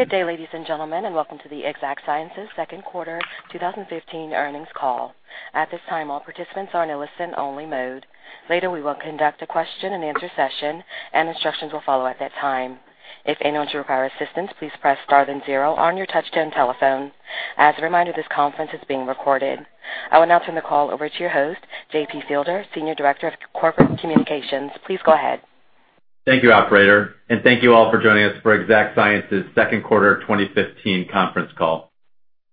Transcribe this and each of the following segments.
Good day, ladies and gentlemen, and Welcome To The Exact Sciences Second Quarter 2015 Earnings Call. At this time, all participants are in a listen-only mode. Later, we will conduct a question-and-answer session, and instructions will follow at that time. If anyone should require assistance, please press * then zero on your touchtone telephone. As a reminder, this conference is being recorded. I will now turn the call over to your host, JP Fielder, Senior Director of Corporate Communications. Please go ahead. Thank you, Operator, and thank you all for joining us for Exact Sciences second quarter 2015 conference call.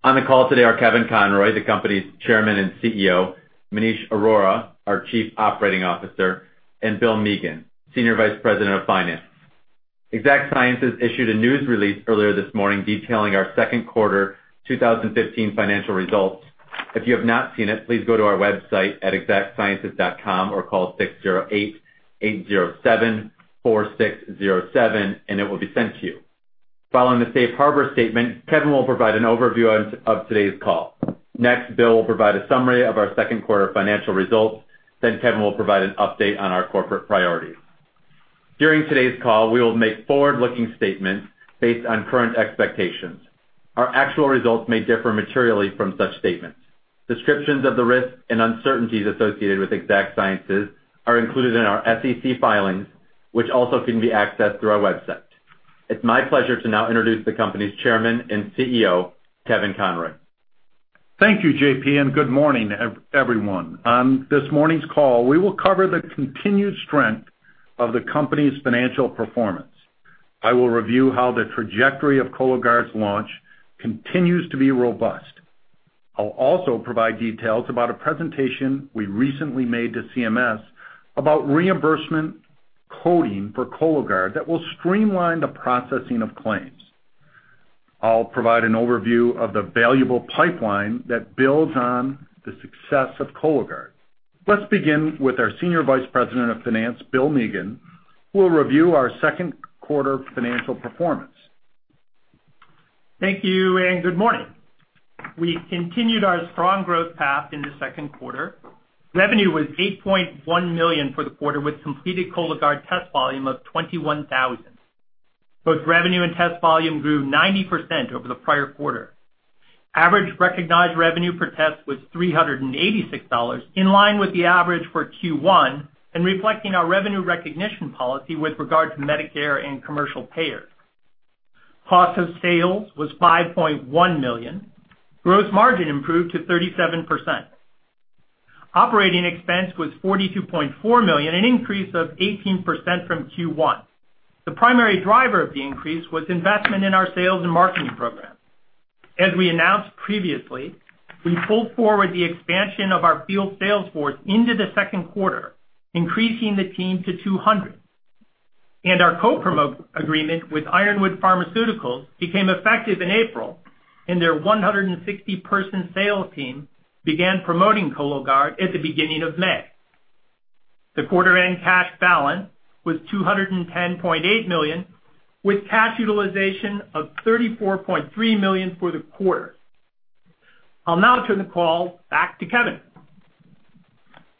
On the call today are Kevin Conroy, the company's Chairman and CEO.Maneesh Arora, our Chief Operating Officer and Bill Mahoney, Senior Vice President of Finance. Exact Sciences issued a news release earlier this morning detailing our second quarter 2015 financial results. If you have not seen it, please go to our website at exactsciences.com or call 608-807-4607, and it will be sent to you. Following the safe harbor statement, Kevin will provide an overview of today's call. Next, Bill will provide a summary of our second quarter financial results. Kevin will then provide an update on our corporate priorities. During today's call, we will make forward-looking statements based on current expectations. Our actual results may differ materially from such statements. Descriptions of the risks and uncertainties associated with Exact Sciences are included in our SEC filings, which also can be accessed through our website. It's my pleasure to now introduce the company's Chairman and CEO, Kevin Conroy. Thank you, JP, and good morning, everyone. On this morning's call, we will cover the continued strength of the company's financial performance. I will review how the trajectory of Cologuard's launch continues to be robust. I'll also provide details about a presentation we recently made to CMS about reimbursement coding for Cologuard that will streamline the processing of claims. I'll provide an overview of the valuable pipeline that builds on the success of Cologuard. Let's begin with our Senior Vice President of Finance, Bill Mahoney, who will review our second quarter financial performance. Thank you and good morning. We continued our strong growth path in the second quarter. Revenue was $8.1 million for the quarter, with completed Cologuard test volume of 21,000. Both revenue and test volume grew 90% over the prior quarter. Average recognized revenue per test was $386, in line with the average for Q1 and reflecting our revenue recognition policy with regard to Medicare and commercial payers. Cost of sales was $5.1 million. Gross margin improved to 37%. Operating expense was $42.4 million, an increase of 18% from Q1. The primary driver of the increase was investment in our sales and marketing program. As we announced previously, we pulled forward the expansion of our field sales force into the second quarter, increasing the team to 200. Our co-promo agreement with Ironwood Pharmaceuticals became effective in April, and their 160-person sales team began promoting Cologuard at the beginning of May. The quarter-end cash balance was $210.8 million, with cash utilization of $34.3 million for the quarter. I'll now turn the call back to Kevin.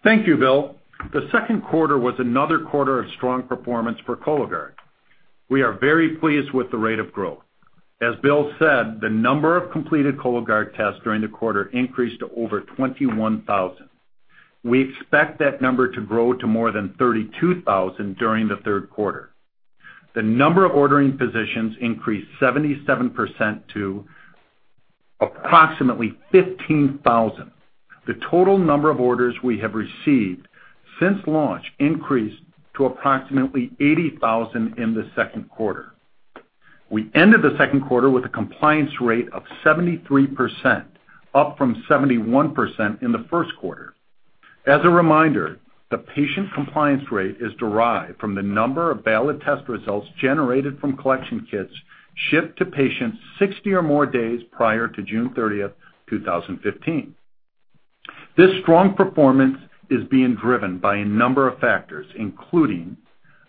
Thank you, Bill. The second quarter was another quarter of strong performance for Cologuard. We are very pleased with the rate of growth. As Bill said, the number of completed Cologuard tests during the quarter increased to over 21,000. We expect that number to grow to more than 32,000 during the third quarter. The number of ordering physicians increased 77% to approximately 15,000. The total number of orders we have received since launch increased to approximately 80,000 in the second quarter. We ended the second quarter with a compliance rate of 73%, up from 71% in the first quarter. As a reminder, the patient compliance rate is derived from the number of valid test results generated from collection kits shipped to patients 60 or more days prior to June 30, 2015. This strong performance is being driven by a number of factors, including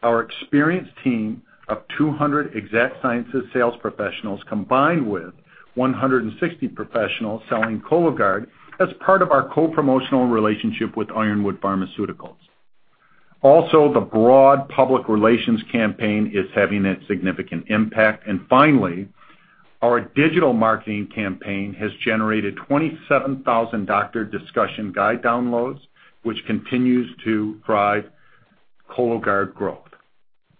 our experienced team of 200 Exact Sciences sales professionals combined with 160 professionals selling Cologuard as part of our co-promotional relationship with Ironwood Pharmaceuticals. Also, the broad public relations campaign is having a significant impact. Finally, our digital marketing campaign has generated 27,000 doctor discussion guide downloads, which continues to drive Cologuard growth.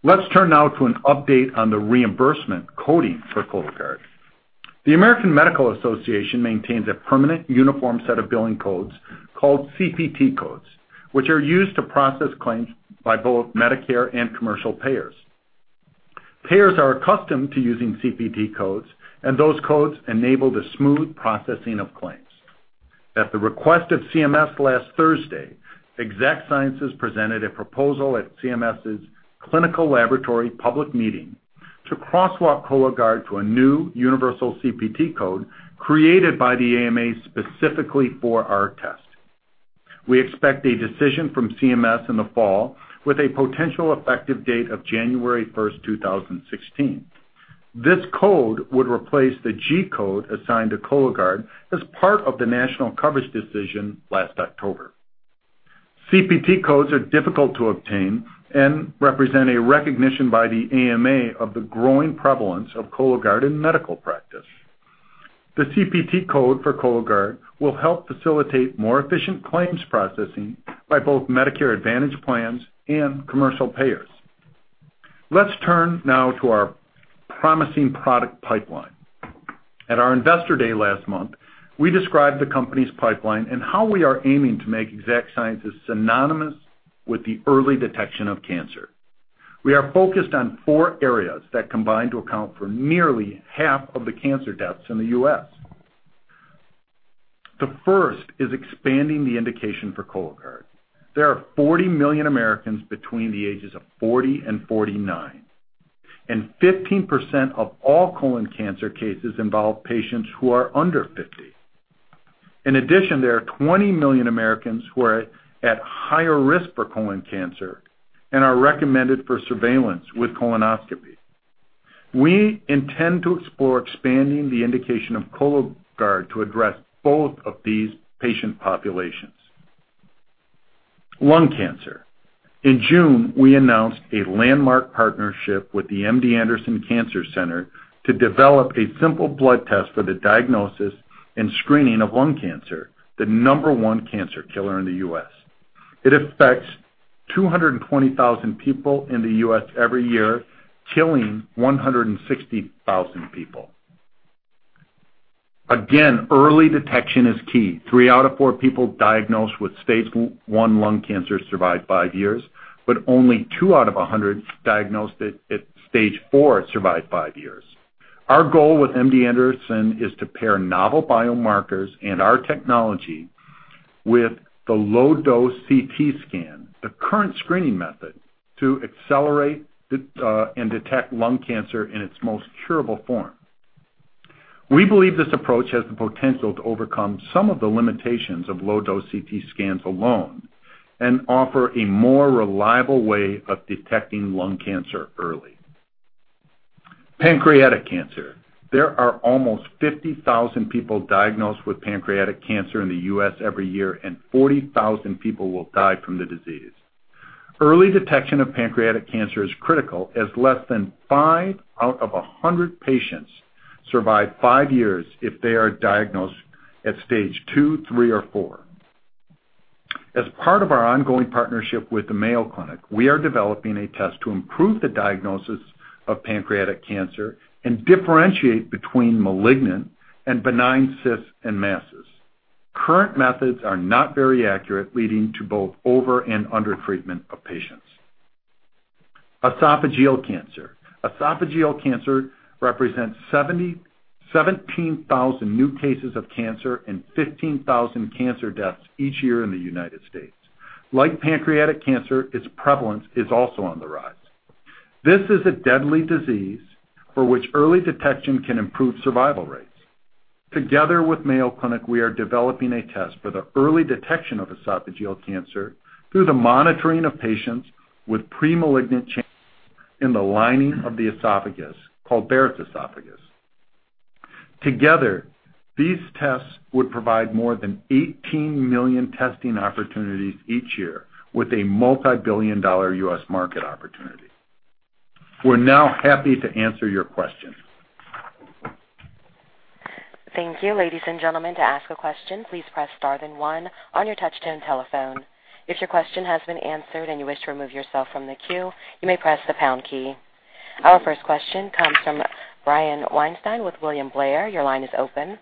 Let's turn now to an update on the reimbursement coding for Cologuard. The American Medical Association maintains a permanent uniform set of billing codes called CPT codes, which are used to process claims by both Medicare and commercial payers. Payers are accustomed to using CPT codes, and those codes enable the smooth processing of claims. At the request of CMS last Thursday, Exact Sciences presented a proposal at CMS's clinical laboratory public meeting to crosswalk Cologuard to a new universal CPT code created by the AMA specifically for our test. We expect a decision from CMS in the fall, with a potential effective date of January 1, 2016. This code would replace the G code assigned to Cologuard as part of the national coverage decision last October. CPT codes are difficult to obtain and represent a recognition by the AMA of the growing prevalence of Cologuard in medical practice. The CPT code for Cologuard will help facilitate more efficient claims processing by both Medicare Advantage plans and commercial payers. Let's turn now to our promising product pipeline. At our investor day last month, we described the company's pipeline and how we are aiming to make Exact Sciences synonymous with the early detection of Cancer. We are focused on four areas that combine to account for nearly half of the Cancer deaths in the U.S. The first is expanding the indication for Cologuard. There are 40 million Americans between the ages of 40 and 49, and 15% of all colon Cancer cases involve patients who are under 50. In addition, there are 20 million Americans who are at higher risk for Colon Cancer and are recommended for surveillance with colonoscopy. We intend to explore expanding the indication of Cologuard to address both of these patient populations. Lung Cancer. In June, we announced a landmark partnership with the MD Anderson Cancer Center to develop a simple blood test for the diagnosis and screening of Lung Cancer, the number one Cancer killer in the U.S. It affects 220,000 people in the U.S., every year, killing 160,000 people. Again, early detection is key. Three out of four people diagnosed with stage one Lung Cancer survive five years, but only two out of a hundred diagnosed at stage four survive five years. Our goal with MD Anderson is to pair novel biomarkers and our technology with the low-dose CT scan, the current screening method, to accelerate and detect lung cancer in its most curable form. We believe this approach has the potential to overcome some of the limitations of low-dose CT scans alone and offer a more reliable way of detecting lung cancer early. Pancreatic Cancer. There are almost 50,000 people diagnosed with Pancreatic Cancer in the U.S., every year, and 40,000 people will die from the disease. Early detection of pancreatic Cancer is critical, as less than five out of a hundred patients survive five years if they are diagnosed at stage two, three, or four. As part of our ongoing partnership with the Mayo Clinic, we are developing a test to improve the diagnosis of Pancreatic Cancer and differentiate between malignant and benign cysts and masses. Current methods are not very accurate, leading to both over- and under-treatment of patients. Esophageal Cancer. Esophageal Cancer represents 17,000 new cases of Cancer and 15,000 Cancer deaths each year in the United States. Like Pancreatic Cancer, its prevalence is also on the rise. This is a deadly disease for which early detection can improve survival rates. Together with Mayo Clinic, we are developing a test for the early detection of Esophageal Cancer through the monitoring of patients with premalignant changes in the lining of the esophagus, called Barrett's esophagus. Together, these tests would provide more than 18 million testing opportunities each year, with a multi-billion dollar U.S., market opportunity. We're now happy to answer your questions. Thank you. Ladies and gentlemen, to ask a question, please press * then one on your touchtone telephone. If your question has been answered and you wish to remove yourself from the queue, you may press the pound key. Our first question comes from Brian Weinstein with William Blair. Your line is open.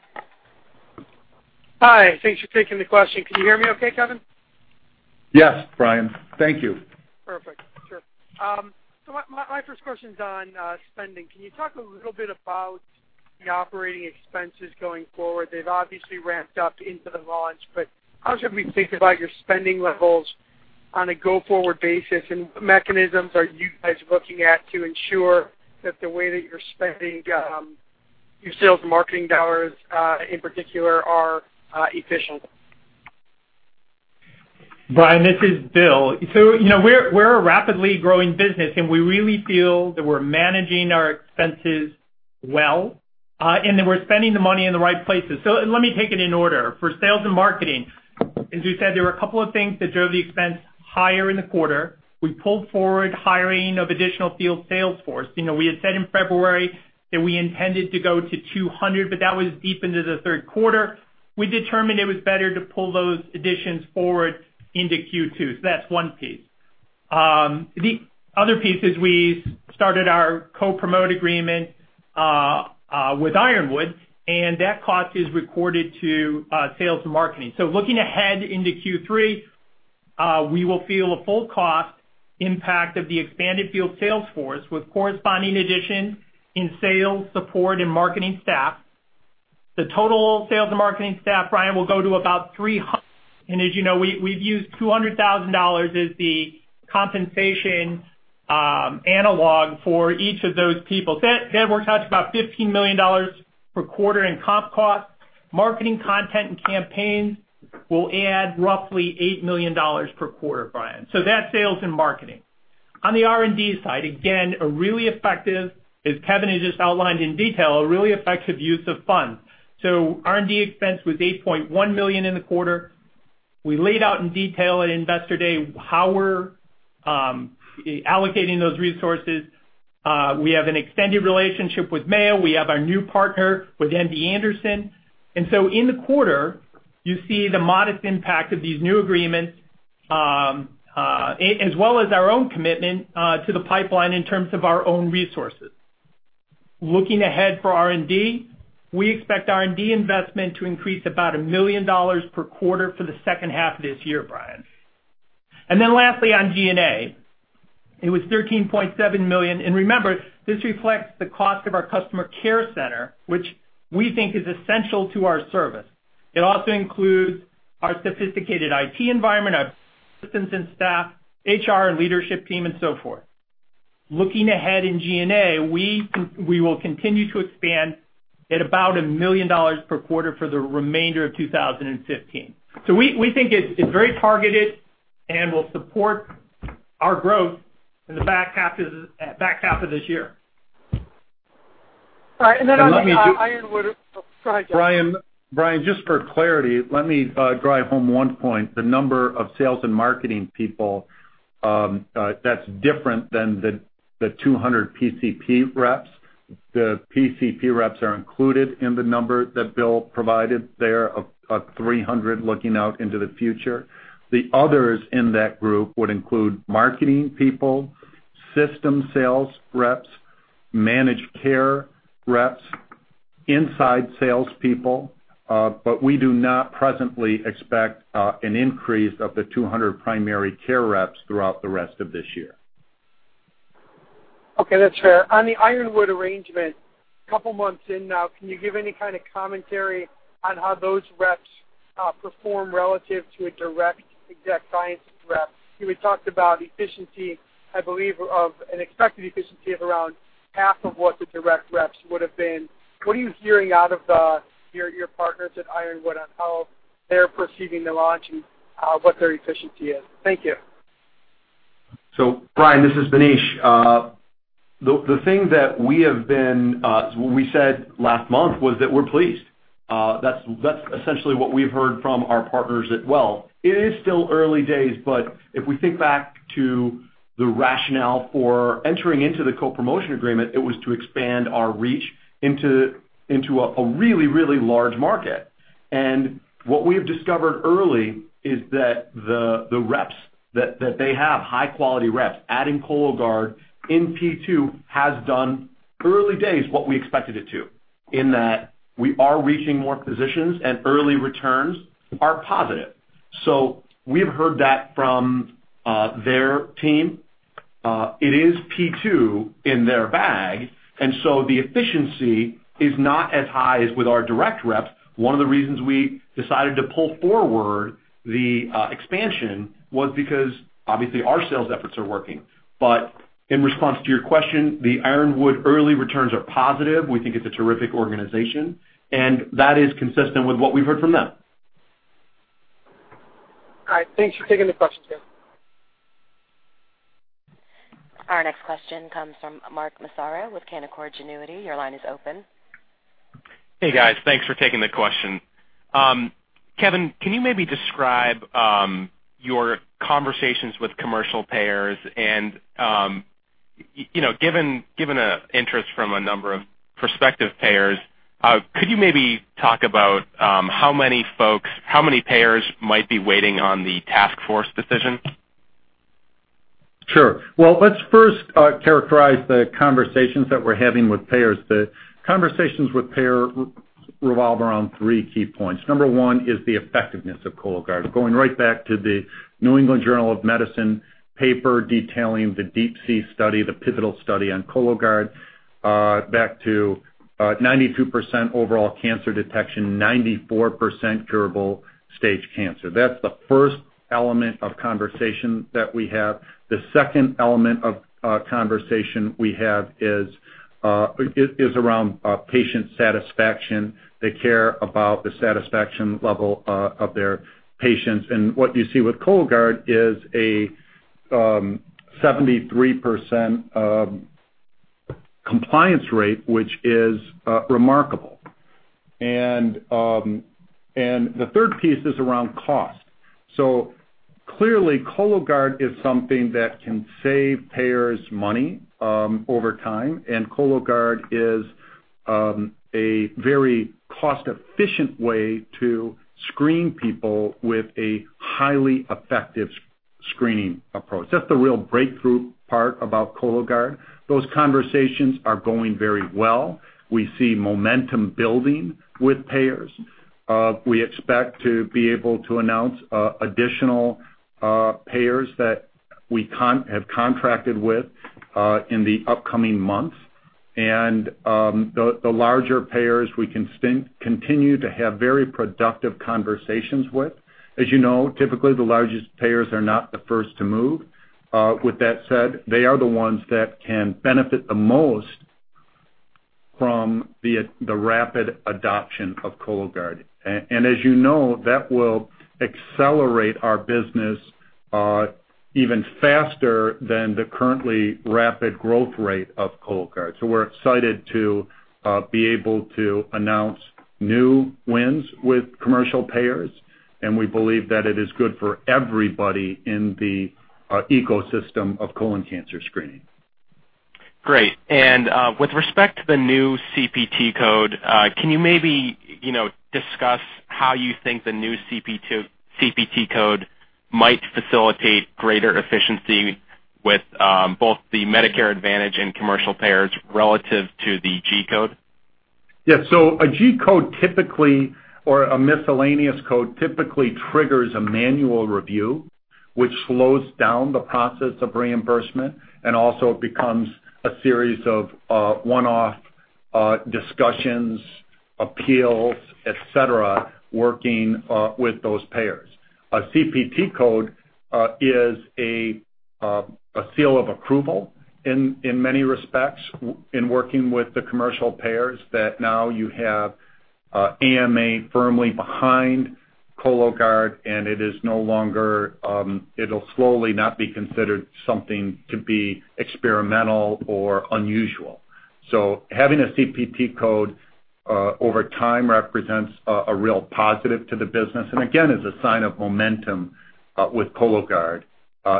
Hi. Thanks for taking the question. Can you hear me okay, Kevin? Yes, Brian. Thank you. Perfect. Sure. So my first question's on spending. Can you talk a little bit about the operating expenses going forward? They've obviously ramped up into the launch, but how should we think about your spending levels on a go-forward basis, and what mechanisms are you guys looking at to ensure that the way that you're spending your sales and marketing dollars, in particular, are efficient? Brian, this is Bill. We are a rapidly growing business, and we really feel that we are managing our expenses well, and that we are spending the money in the right places. Let me take it in order. For sales and marketing, as we said, there were a couple of things that drove the expense higher in the quarter. We pulled forward hiring of additional field sales force. We had said in February that we intended to go to 200, but that was deep into the third quarter. We determined it was better to pull those additions forward into Q2. That is one piece. The other piece is we started our co-promote agreement with Ironwood, and that cost is recorded to sales and marketing. Looking ahead into Q3, we will feel a full cost impact of the expanded field sales force with corresponding additions in sales, support, and marketing staff. The total sales and marketing staff, Brian, will go to about 300. As you know, we've used $200,000 as the compensation analog for each of those people. That works out to about $15 million per quarter in comp costs. Marketing content and campaigns will add roughly $8 million per quarter, Brian. That is sales and marketing. On the R&D side, again, a really effective, as Kevin has just outlined in detail, a really effective use of funds. R&D expense was $8.1 million in the quarter. We laid out in detail at investor day how we're allocating those resources. We have an extended relationship with Mayo. We have our new partner with MD Anderson. In the quarter, you see the modest impact of these new agreements, as well as our own commitment to the pipeline in terms of our own resources. Looking ahead for R&D, we expect R&D investment to increase about $1 million per quarter for the second half of this year, Brian. Lastly, on G&A, it was $13.7 million. Remember, this reflects the cost of our customer care center, which we think is essential to our service. It also includes our sophisticated IT environment, our assistants and staff, HR and leadership team, and so forth. Looking ahead in G&A, we will continue to expand at about $1 million per quarter for the remainder of 2015. We think it's very targeted and will support our growth in the back half of this year. All right. And then on the Ironwood. Brian, just for clarity, let me drive home one point. The number of sales and marketing people, that's different than the 200 PCP reps. The PCP reps are included in the number that Bill provided there of 300 looking out into the future. The others in that group would include marketing people, system sales reps, managed care reps, inside salespeople, but we do not presently expect an increase of the 200 primary care reps throughout the rest of this year. Okay. That's fair. On the Ironwood arrangement, a couple of months in now, can you give any kind of commentary on how those reps perform relative to a direct Exact Sciences rep? You had talked about efficiency, I believe, of an expected efficiency of around half of what the direct reps would have been. What are you hearing out of your partners at Ironwood on how they're perceiving the launch and what their efficiency is? Thank you. Brian, this is Maneesh. The thing that we have been, what we said last month was that we're pleased. That's essentially what we've heard from our partners as well. It is still early days, but if we think back to the rationale for entering into the co-promotion agreement, it was to expand our reach into a really, really large market. What we have discovered early is that the reps that they have, high-quality reps, adding Cologuard in phase II has done, early days, what we expected it to, in that we are reaching more physicians and early returns are positive. We have heard that from their team. It is phase II in their bag, and the efficiency is not as high as with our direct reps. One of the reasons we decided to pull forward the expansion was because, obviously, our sales efforts are working. In response to your question, the Ironwood early returns are positive. We think it's a terrific organization, and that is consistent with what we've heard from them. All right. Thanks for taking the questions, Kevin. Our next question comes from Mark Massara with Canaccord Genuity. Your line is open. Hey, guys. Thanks for taking the question. Kevin, can you maybe describe your conversations with commercial payers? Given interest from a number of prospective payers, could you maybe talk about how many payers might be waiting on the task force decision? Sure. Let's first characterize the conversations that we're having with payers. The conversations with payers revolve around three key points. Number one is the effectiveness of Cologuard. Going right back to the New England Journal of Medicine paper detailing the DeeP-C Study, the pivotal study on Cologuard, back to 92% overall Cancer detection, 94% Curable Stage Cancer. That's the first element of conversation that we have. The second element of conversation we have is around patient satisfaction, they care about the satisfaction level of their patients. What you see with Cologuard is a 73% compliance rate, which is remarkable. The third piece is around cost. Clearly, Cologuard is something that can save payers money over time, and Cologuard is a very cost-efficient way to screen people with a highly effective screening approach. That's the real breakthrough part about Cologuard. Those conversations are going very well. We see momentum building with payers. We expect to be able to announce additional payers that we have contracted with in the upcoming months. The larger payers, we can continue to have very productive conversations with. As you know, typically, the largest payers are not the first to move. With that said, they are the ones that can benefit the most from the rapid adoption of Cologuard. As you know, that will accelerate our business even faster than the currently rapid growth rate of Cologuard. We are excited to be able to announce new wins with commercial payers, and we believe that it is good for everybody in the ecosystem of colon cancer screening. Great. With respect to the new CPT code, can you maybe discuss how you think the new CPT code might facilitate greater efficiency with both the Medicare Advantage and commercial payers relative to the G code? Yes. A G code typically, or a miscellaneous code, typically triggers a manual review, which slows down the process of reimbursement, and also becomes a series of one-off discussions, appeals, etc., working with those payers. A CPT code is a seal of approval in many respects in working with the commercial payers that now you have AMA firmly behind Cologuard, and it is no longer it'll slowly not be considered something to be experimental or unusual. Having a CPT code over time represents a real positive to the business, and again, is a sign of momentum with Cologuard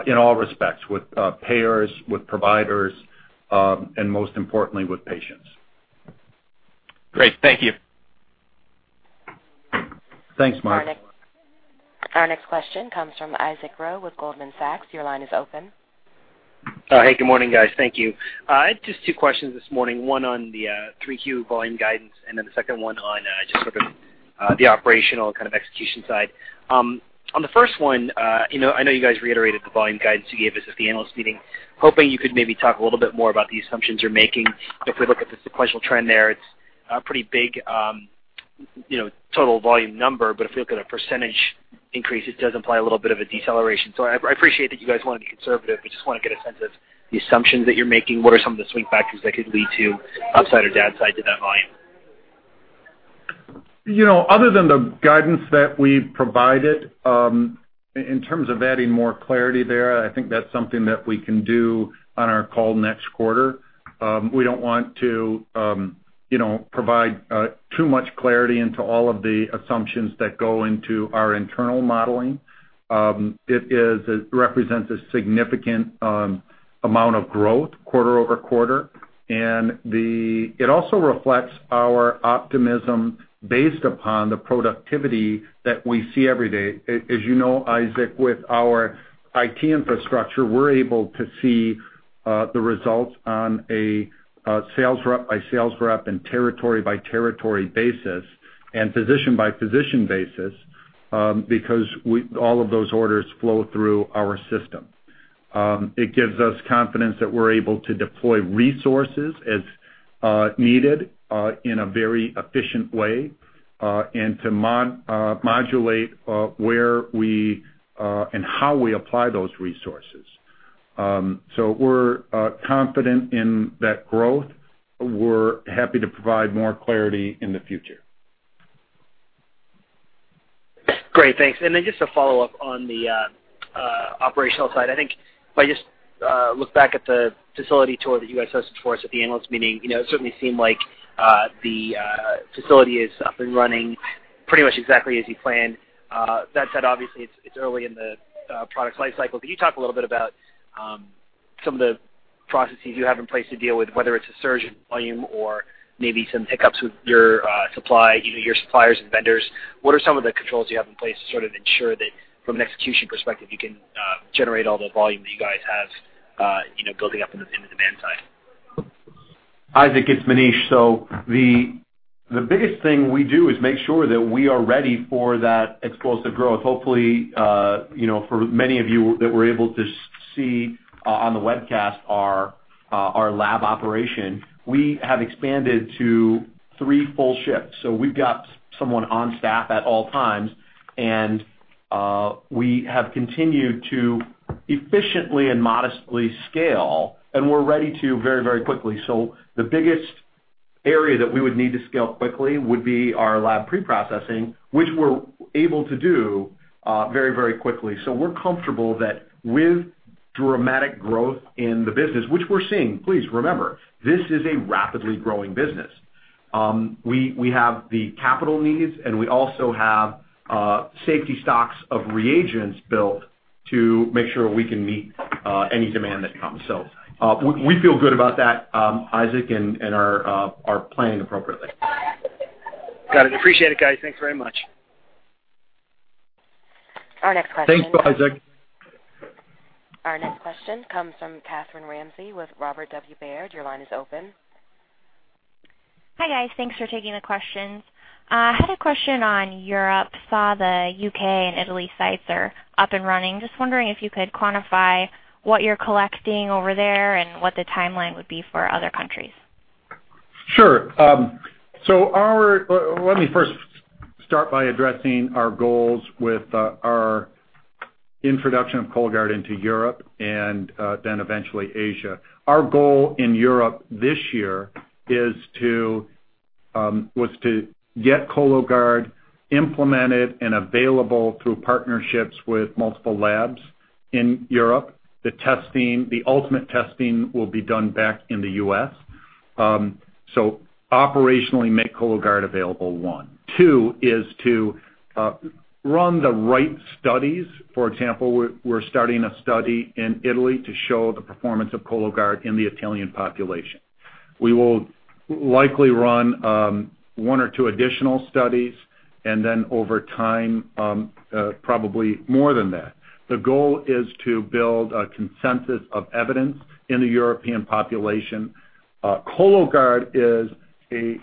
in all respects, with payers, with providers, and most importantly, with patients. Great. Thank you. Thanks, Mike. Our next question comes from Isaac Rowe with Goldman Sachs. Your line is open. Hey, good morning, guys. Thank you. I had just two questions this morning. One on the 3Q volume guidance, and then the second one on just sort of the operational kind of execution side. On the first one, I know you guys reiterated the volume guidance you gave us at the analyst meeting. Hoping you could maybe talk a little bit more about the assumptions you're making. If we look at the sequential trend there, it's a pretty big total volume number, but if we look at a % increase, it does imply a little bit of a deceleration. I appreciate that you guys want to be conservative, but just want to get a sense of the assumptions that you're making. What are some of the swing factors that could lead to upside or downside to that volume? Other than the guidance that we provided, in terms of adding more clarity there, I think that's something that we can do on our call next quarter. We do not want to provide too much clarity into all of the assumptions that go into our internal modeling. It represents a significant amount of growth quarter over quarter, and it also reflects our optimism based upon the productivity that we see every day. As you know, Isaac, with our IT infrastructure, we are able to see the results on a sales rep by sales rep and territory by territory basis and physician by physician basis because all of those orders flow through our system. It gives us confidence that we are able to deploy resources as needed in a very efficient way and to modulate where we and how we apply those resources. We are confident in that growth. We're happy to provide more clarity in the future. Great. Thanks. Just to follow up on the operational side, I think if I just look back at the facility tour that you guys hosted for us at the analyst meeting, it certainly seemed like the facility is up and running pretty much exactly as you planned. That said, obviously, it's early in the product life cycle. Can you talk a little bit about some of the processes you have in place to deal with, whether it's a surge in volume or maybe some hiccups with your supply, your suppliers and vendors? What are some of the controls you have in place to sort of ensure that from an execution perspective, you can generate all the volume that you guys have building up in the demand side? Isaac, it's Maneesh. The biggest thing we do is make sure that we are ready for that explosive growth. Hopefully, for many of you that were able to see on the webcast our lab operation, we have expanded to three full shifts. We have someone on staff at all times, and we have continued to efficiently and modestly scale, and we're ready to very, very quickly. The biggest area that we would need to scale quickly would be our lab preprocessing, which we're able to do very, very quickly. We're comfortable that with dramatic growth in the business, which we're seeing, please remember, this is a rapidly growing business. We have the capital needs, and we also have safety stocks of reagents built to make sure we can meet any demand that comes. We feel good about that, Isaac, and are planning appropriately. Got it. Appreciate it, guys. Thanks very much. Our next question. Thanks, Isaac. Our next question comes from Catherine Ramsey with Robert W. Baird. Your line is open. Hi, guys. Thanks for taking the questions. I had a question on Europe. Saw the U.K., and Italy sites are up and running. Just wondering if you could quantify what you're collecting over there and what the timeline would be for other countries. Sure. Let me first start by addressing our goals with our introduction of Cologuard into Europe and then eventually Asia. Our goal in Europe this year was to get Cologuard implemented and available through partnerships with multiple labs in Europe. The ultimate testing will be done back in the U.S. Operationally, make Cologuard available, one. Two is to run the right studies. For example, we're starting a study in Italy to show the performance of Cologuard in the Italian population. We will likely run one or two additional studies, and then over time, probably more than that. The goal is to build a consensus of evidence in the European population. Cologuard is a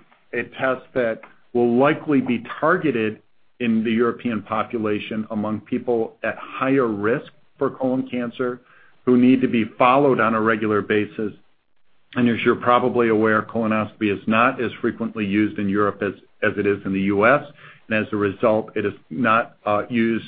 test that will likely be targeted in the European population among people at higher risk for Colon Cancer who need to be followed on a regular basis. As you're probably aware, colonoscopy is not as frequently used in Europe as it is in the U.S. As a result, it is not used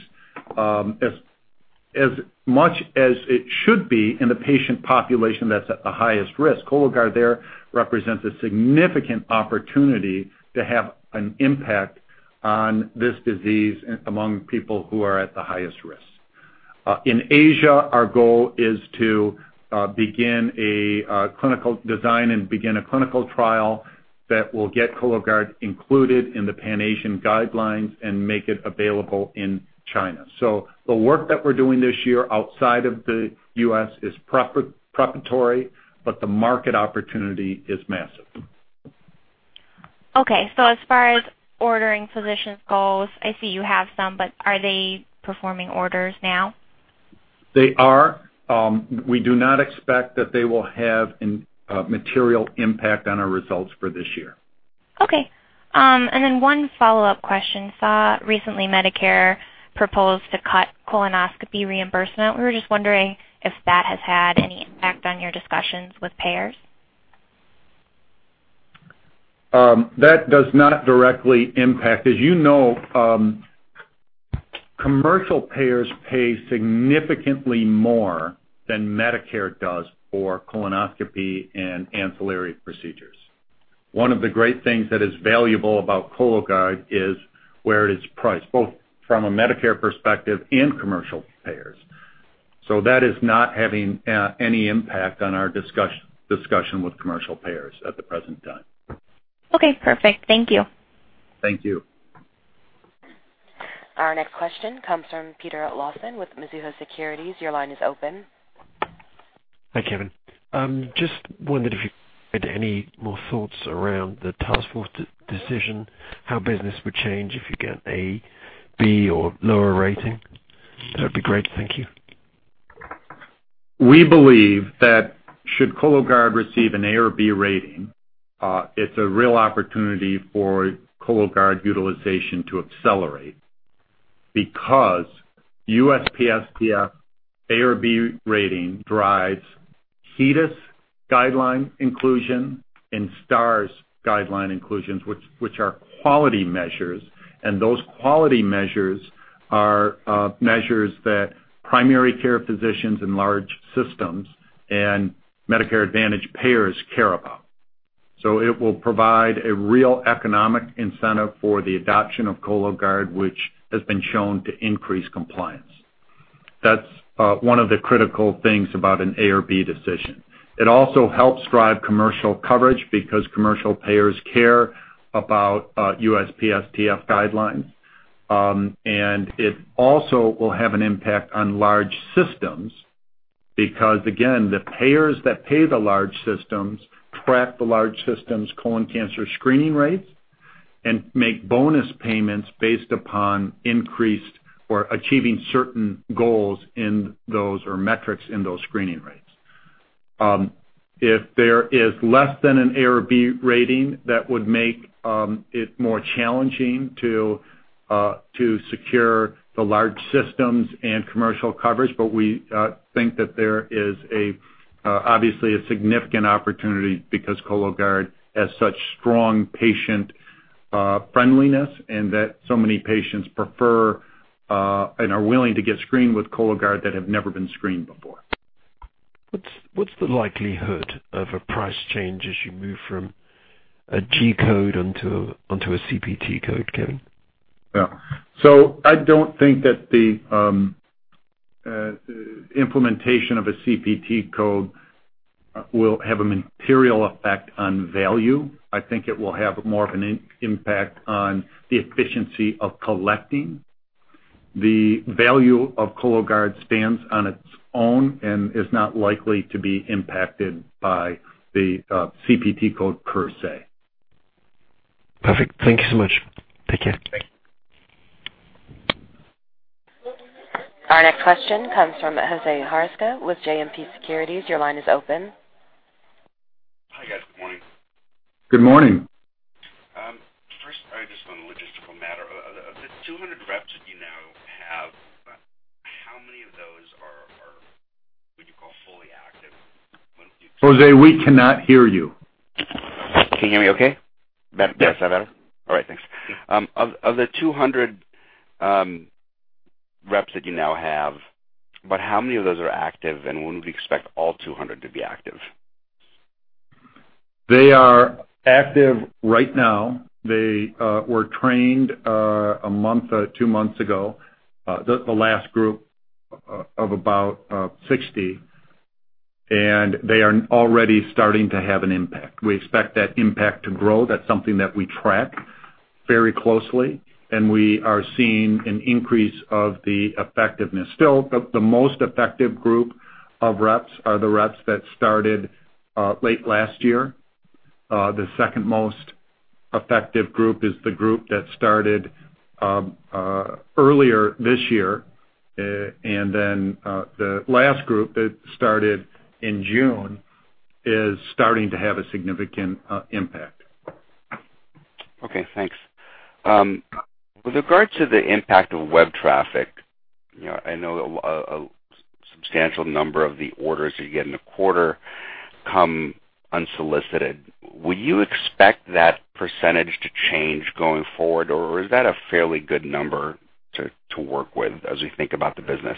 as much as it should be in the patient population that's at the highest risk. Cologuard there represents a significant opportunity to have an impact on this disease among people who are at the highest risk. In Asia, our goal is to begin a clinical design and begin a clinical trial that will get Cologuard included in the Pan-Asian guidelines and make it available in China. The work that we're doing this year outside of the U.S., is preparatory, but the market opportunity is massive. Okay. As far as ordering physicians goes, I see you have some, but are they performing orders now? They are. We do not expect that they will have a material impact on our results for this year. Okay. One follow-up question. Saw recently Medicare propose to cut colonoscopy reimbursement. We were just wondering if that has had any impact on your discussions with payers. That does not directly impact. As you know, commercial payers pay significantly more than Medicare does for colonoscopy and ancillary procedures. One of the great things that is valuable about Cologuard is where it is priced, both from a Medicare perspective and commercial payers. That is not having any impact on our discussion with commercial payers at the present time. Okay. Perfect. Thank you. Thank you. Our next question comes from Peter Lawson with Mizuho Securities. Your line is open. Hi, Kevin. Just wondered if you had any more thoughts around the task force decision, how business would change if you get an A, B, or lower rating. That would be great. Thank you. We believe that should Cologuard receive an A or B rating, it's a real opportunity for Cologuard utilization to accelerate because USPSTF A or B rating drives HEDIS guideline inclusion and STARS guideline inclusions, which are quality measures. Those quality measures are measures that primary care physicians and large systems and Medicare Advantage payers care about. It will provide a real economic incentive for the adoption of Cologuard, which has been shown to increase compliance. That's one of the critical things about an A or B decision. It also helps drive commercial coverage because commercial payers care about USPSTF guidelines. It also will have an impact on large systems because, again, the payers that pay the large systems track the large systems' colon cancer screening rates and make bonus payments based upon increased or achieving certain goals in those or metrics in those screening rates. If there is less than an A or B rating, that would make it more challenging to secure the large systems and commercial coverage. We think that there is obviously a significant opportunity because Cologuard has such strong patient friendliness and that so many patients prefer and are willing to get screened with Cologuard that have never been screened before. What's the likelihood of a price change as you move from a G Code onto a CPT Code, Kevin? Yeah. I do not think that the implementation of a CPT code will have a material effect on value. I think it will have more of an impact on the efficiency of collecting. The value of Cologuard stands on its own and is not likely to be impacted by the CPT code per se. Perfect. Thank you so much. Take care. Thank you. Our next question comes from Jose Hazuka with JMP Securities. Your line is open. Hi, guys. Good morning. Good morning. First, I just want a logistical matter. Of the 200 reps that you now have, how many of those are, would you call, fully active? Jose, we cannot hear you. Can you hear me okay? Yes. Is that better? Yes. All right. Thanks. Of the 200 reps that you now have, about how many of those are active, and would you expect all 200 to be active? They are active right now. They were trained a month or two months ago, the last group of about 60, and they are already starting to have an impact. We expect that impact to grow. That is something that we track very closely, and we are seeing an increase of the effectiveness. Still, the most effective group of reps are the reps that started late last year. The second most effective group is the group that started earlier this year. The last group that started in June is starting to have a significant impact. Okay. Thanks. With regard to the impact of web traffic, I know a substantial number of the orders you get in the quarter come unsolicited. Would you expect that percentage to change going forward, or is that a fairly good number to work with as we think about the business?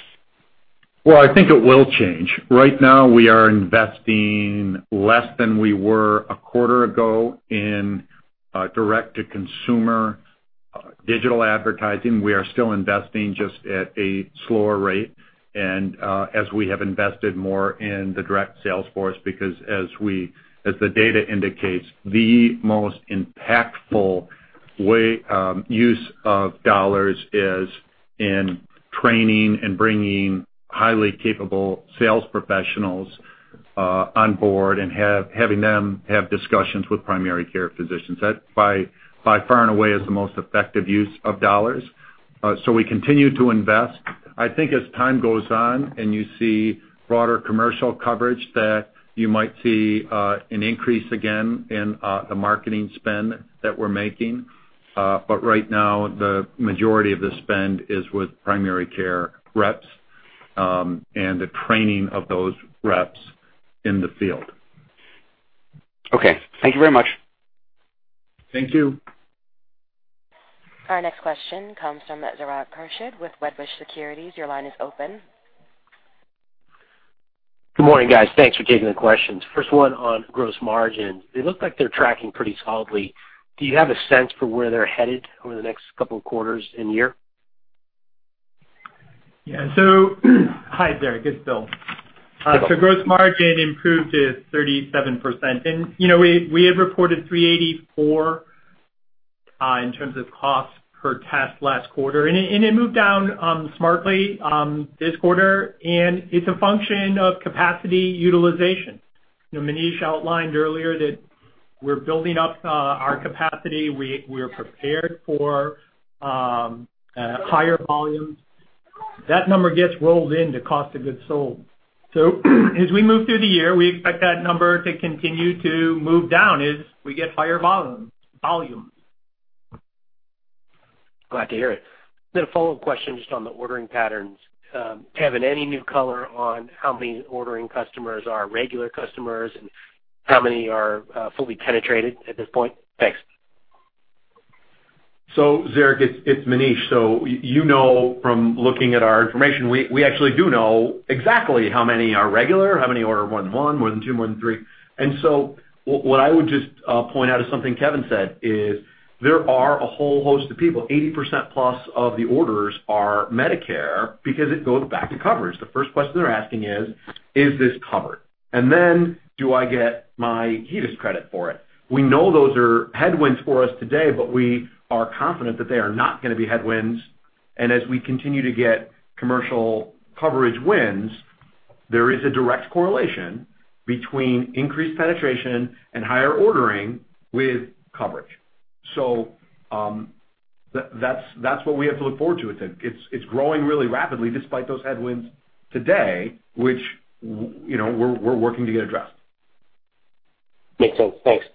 I think it will change. Right now, we are investing less than we were a quarter ago in direct-to-consumer digital advertising. We are still investing just at a slower rate. As we have invested more in the direct sales force because, as the data indicates, the most impactful use of dollars is in training and bringing highly capable sales professionals on board and having them have discussions with primary care physicians. That by far and away is the most effective use of dollars. We continue to invest. I think as time goes on and you see broader commercial coverage, you might see an increase again in the marketing spend that we're making. Right now, the majority of the spend is with primary care reps and the training of those reps in the field. Okay. Thank you very much. Thank you. Our next question comes from Zerrin Kershed with Wedbush Securities. Your line is open. Good morning, guys. Thanks for taking the questions. First one on gross margins. It looks like they're tracking pretty solidly. Do you have a sense for where they're headed over the next couple of quarters and year? Yeah. Hi, there. Good still. Gross margin improved to 37%. We had reported $384 in terms of cost per test last quarter, and it moved down smartly this quarter. It is a function of capacity utilization. Maneesh outlined earlier that we are building up our capacity. We are prepared for higher volumes. That number gets rolled into cost of goods sold. As we move through the year, we expect that number to continue to move down as we get higher volumes. Glad to hear it. Then a follow-up question just on the ordering patterns. Kevin, any new color on how many ordering customers are regular customers and how many are fully penetrated at this point? Thanks. Zerrin, it's Maneesh. You know from looking at our information, we actually do know exactly how many are regular, how many order one-to-one, more than two, more than three. What I would just point out is something Kevin said, there are a whole host of people. 80%+ of the orders are Medicare because it goes back to coverage. The first question they're asking is, "Is this covered?" and then, "Do I get my HEDIS credit for it?" We know those are headwinds for us today, but we are confident that they are not going to be headwinds. As we continue to get commercial coverage wins, there is a direct correlation between increased penetration and higher ordering with coverage. That's what we have to look forward to. It's growing really rapidly despite those headwinds today, which we're working to get addressed. Makes sense. Thanks.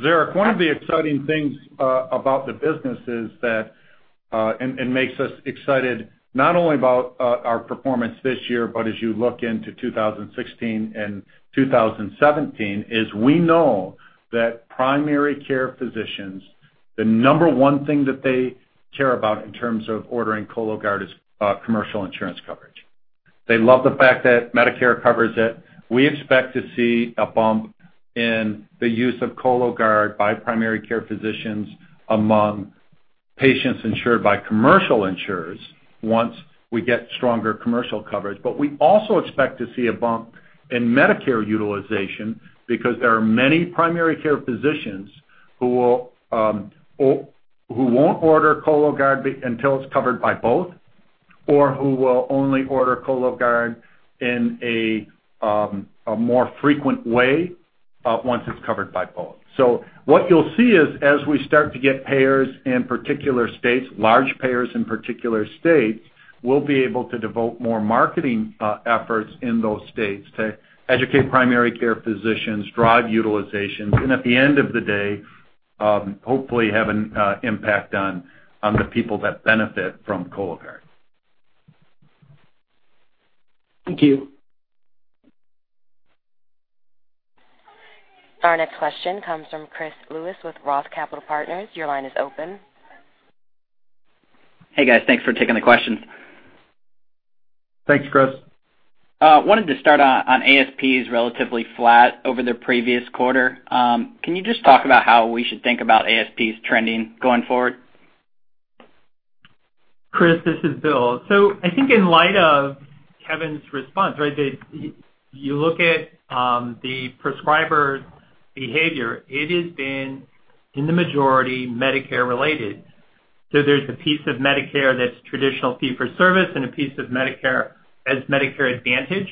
Zerrin, one of the exciting things about the business is that it makes us excited not only about our performance this year, but as you look into 2016 and 2017, is we know that primary care physicians, the number one thing that they care about in terms of ordering Cologuard is commercial insurance coverage. They love the fact that Medicare covers it. We expect to see a bump in the use of Cologuard by primary care physicians among patients insured by commercial insurers once we get stronger commercial coverage. We also expect to see a bump in Medicare utilization because there are many primary care physicians who will not order Cologuard until it is covered by both or who will only order Cologuard in a more frequent way once it is covered by both. What you'll see is as we start to get payers in particular states, large payers in particular states, we'll be able to devote more marketing efforts in those states to educate primary care physicians, drive utilizations, and at the end of the day, hopefully have an impact on the people that benefit from Cologuard. Thank you. Our next question comes from Chris Lewis with Roth Capital Partners. Your line is open. Hey, guys. Thanks for taking the questions. Thanks, Chris. Wanted to start on ASPs relatively flat over the previous quarter. Can you just talk about how we should think about ASPs trending going forward? Chris, this is Bill. I think in light of Kevin's response, right, that you look at the prescriber behavior, it has been in the majority Medicare-related. There is a piece of Medicare that's traditional fee-for-service and a piece of Medicare as Medicare Advantage.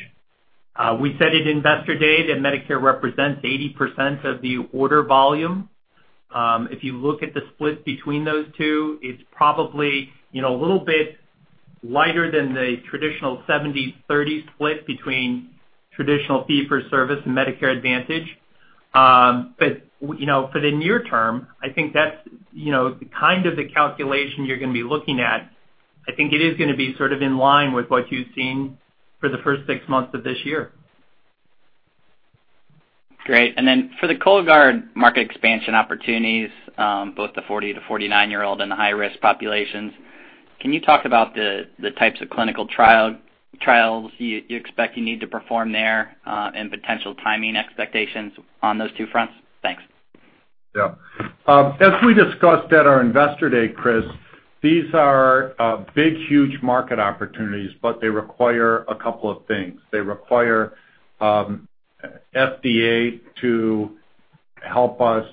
We said at investor day that Medicare represents 80% of the order volume. If you look at the split between those two, it's probably a little bit lighter than the traditional 70/30 split between traditional fee-for-service and Medicare Advantage. For the near term, I think that's the kind of calculation you're going to be looking at. I think it is going to be sort of in line with what you've seen for the first six months of this year. Great. For the Cologuard market expansion opportunities, both the 40 to 49-year-old and the high-risk populations, can you talk about the types of clinical trials you expect you need to perform there and potential timing expectations on those two fronts? Thanks. Yeah. As we discussed at our investor day, Chris, these are big, huge market opportunities, but they require a couple of things. They require FDA to help us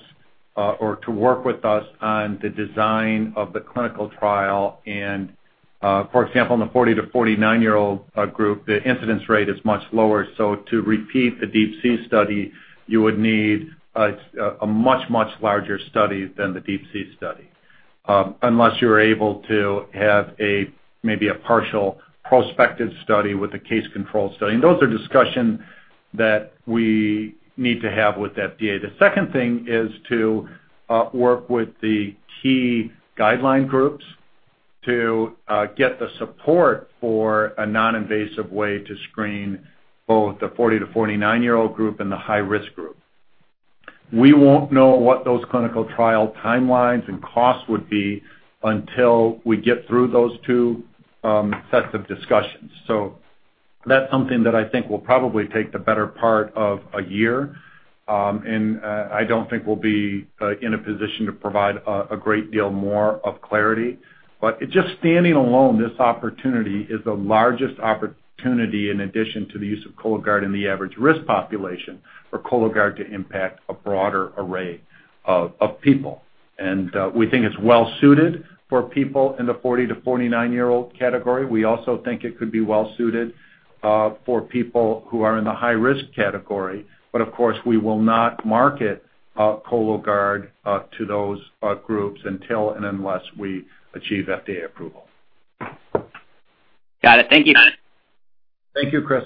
or to work with us on the design of the clinical trial. For example, in the 40 to 49-year-old group, the incidence rate is much lower. To repeat the DeeP-C Study, you would need a much, much larger study than the DeeP-C Study unless you're able to have maybe a partial prospective study with a case control study. Those are discussions that we need to have with FDA. The second thing is to work with the key guideline groups to get the support for a non-invasive way to screen both the 40 to 49-year-old group and the high-risk group. We won't know what those clinical trial timelines and costs would be until we get through those two sets of discussions. That is something that I think will probably take the better part of a year. I don't think we'll be in a position to provide a great deal more of clarity. Just standing alone, this opportunity is the largest opportunity in addition to the use of Cologuard in the average risk population for Cologuard to impact a broader array of people. We think it's well-suited for people in the 40 to 49-year-old category. We also think it could be well-suited for people who are in the high-risk category. Of course, we will not market Cologuard to those groups until and unless we achieve FDA approval. Got it. Thank you. Thank you, Chris.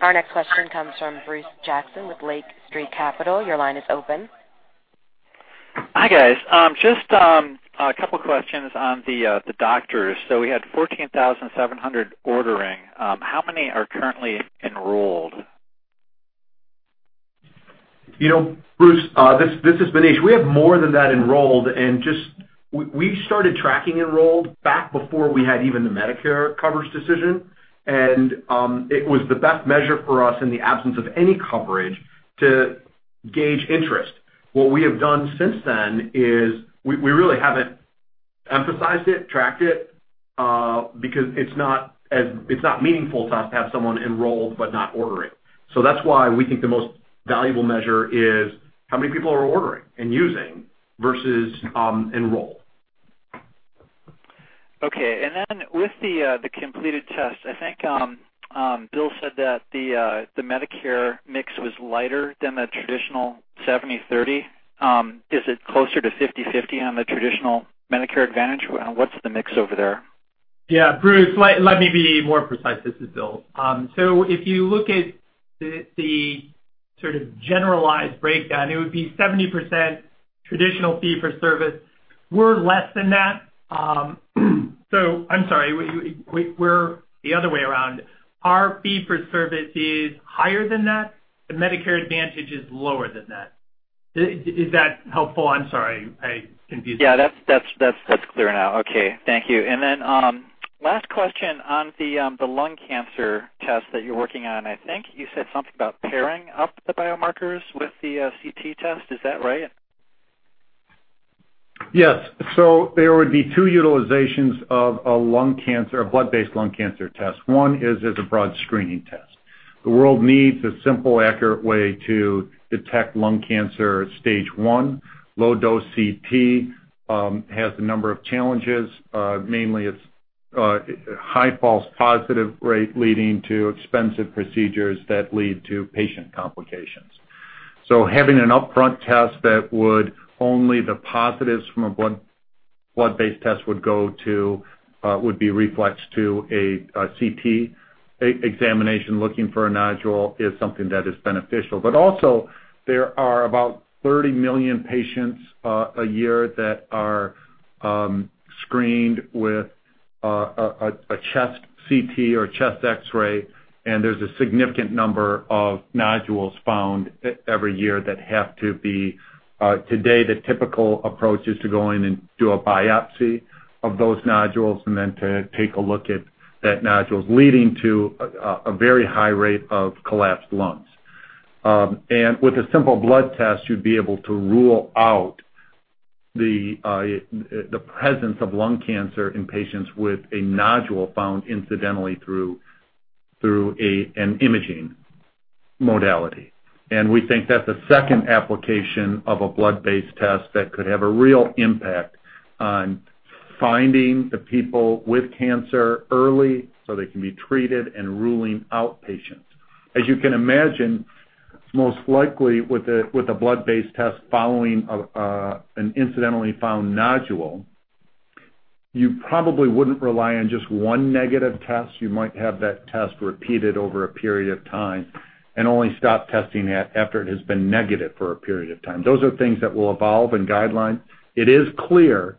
Our next question comes from Bruce Jackson with Lake Street Capital. Your line is open. Hi, guys. Just a couple of questions on the doctors. So we had 14,700 ordering. How many are currently enrolled? Bruce, this is Maneesh. We have more than that enrolled. We started tracking enrolled back before we had even the Medicare coverage decision. It was the best measure for us in the absence of any coverage to gauge interest. What we have done since then is we really have not emphasized it, tracked it, because it is not meaningful to us to have someone enrolled but not ordering. That is why we think the most valuable measure is how many people are ordering and using versus enrolled. Okay. And then with the completed tests, I think Bill said that the Medicare mix was lighter than the traditional 70/30. Is it closer to 50/50 on the traditional Medicare Advantage? What's the mix over there? Yeah. Bruce, let me be more precise. This is Bill. If you look at the sort of generalized breakdown, it would be 70% traditional fee-for-service. We're less than that. I'm sorry. We're the other way around. Our fee-for-service is higher than that. The Medicare Advantage is lower than that. Is that helpful? I'm sorry. I confused you. Yeah. That's clear now. Okay. Thank you. Last question on the lung cancer test that you're working on. I think you said something about pairing up the biomarkers with the CT test. Is that right? Yes. There would be two utilizations of a blood-based Lung Cancer test. One is as a broad screening test. The world needs a simple, accurate way to detect Lung Cancer stage one. Low-dose CT has a number of challenges. Mainly, its high false positive rate leading to expensive procedures that lead to patient complications. Having an upfront test where only the positives from a blood-based test would be reflexed to a CT examination looking for a nodule is something that is beneficial. There are also about 30 million patients a year that are screened with a chest CT or chest X-ray. There is a significant number of nodules found every year that have to be, today, the typical approach is to go in and do a biopsy of those nodules and then to take a look at that nodule, leading to a very high rate of collapsed lungs. With a simple blood test, you would be able to rule out the presence of Lung Cancer in patients with a nodule found incidentally through an imaging modality. We think that is a second application of a blood-based test that could have a real impact on finding the people with Cancer early so they can be treated and ruling out patients. As you can imagine, most likely with a blood-based test following an incidentally found nodule, you probably would not rely on just one negative test. You might have that test repeated over a period of time and only stop testing after it has been negative for a period of time. Those are things that will evolve in guidelines. It is clear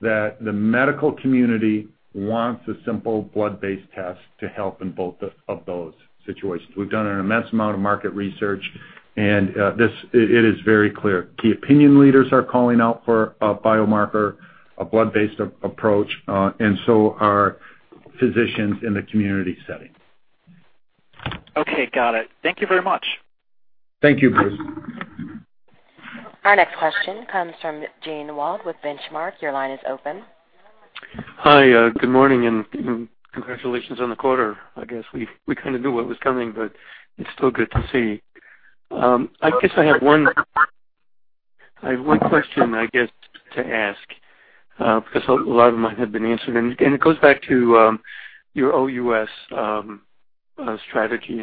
that the medical community wants a simple blood-based test to help in both of those situations. We've done an immense amount of market research, and it is very clear. Key opinion leaders are calling out for a biomarker, a blood-based approach, and so are physicians in the community setting. Okay. Got it. Thank you very much. Thank you, Bruce. Our next question comes from Jane Wald with Benchmark. Your line is open. Hi. Good morning. Congratulations on the quarter. I guess we kind of knew what was coming, but it's still good to see. I guess I have one question to ask because a lot of them have been answered. It goes back to your OUS strategy.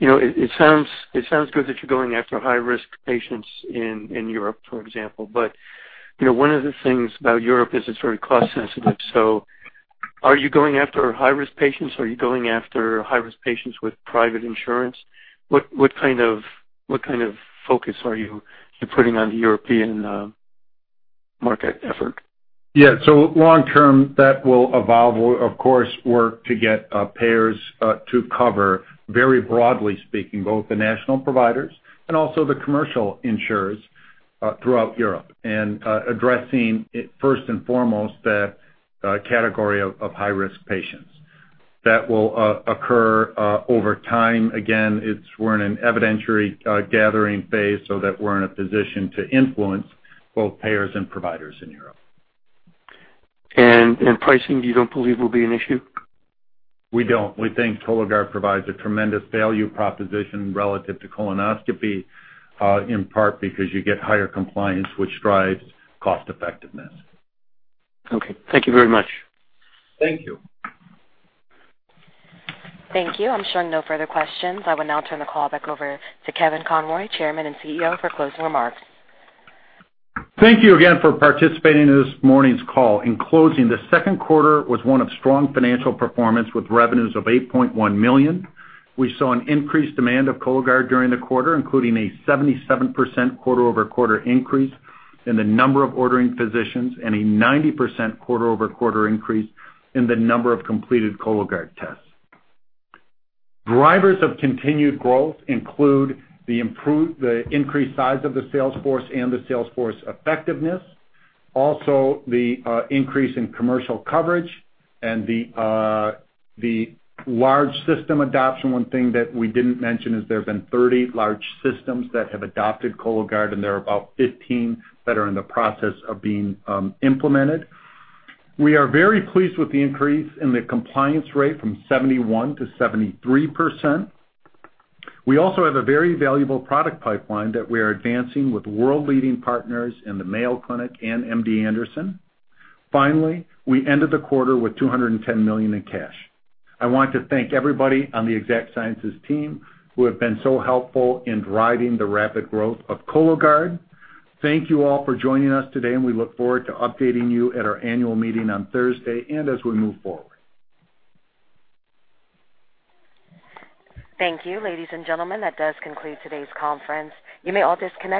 It sounds good that you're going after high-risk patients in Europe, for example. One of the things about Europe is it's very cost-sensitive. Are you going after high-risk patients? Are you going after high-risk patients with private insurance? What kind of focus are you putting on the European market effort? Yeah. So long-term, that will evolve. We'll, of course, work to get payers to cover, very broadly speaking, both the national providers and also the commercial insurers throughout Europe and addressing, first and foremost, that category of high-risk patients. That will occur over time. Again, we're in an evidentiary gathering phase so that we're in a position to influence both payers and providers in Europe. Pricing, you don't believe will be an issue? We don't. We think Cologuard provides a tremendous value proposition relative to colonoscopy, in part because you get higher compliance, which drives cost-effectiveness. Okay. Thank you very much. Thank you. Thank you. I'm showing no further questions. I will now turn the call back over to Kevin Conroy, Chairman and CEO, for closing remarks. Thank you again for participating in this morning's call. In closing, the second quarter was one of strong financial performance with revenues of $8.1 million. We saw an increased demand of Cologuard during the quarter, including a 77% quarter-over-quarter increase in the number of ordering physicians and a 90% quarter-over-quarter increase in the number of completed Cologuard tests. Drivers of continued growth include the increased size of the salesforce and the salesforce effectiveness. Also, the increase in commercial coverage and the large system adoption. One thing that we didn't mention is there have been 30 large systems that have adopted Cologuard, and there are about 15 that are in the process of being implemented. We are very pleased with the increase in the compliance rate from 71% to 73%. We also have a very valuable product pipeline that we are advancing with world-leading partners in the Mayo Clinic and MD Anderson. Finally, we ended the quarter with $210 million in cash. I want to thank everybody on the Exact Sciences team who have been so helpful in driving the rapid growth of Cologuard. Thank you all for joining us today, and we look forward to updating you at our annual meeting on Thursday and as we move forward. Thank you, ladies and gentlemen. That does conclude today's conference. You may all disconnect.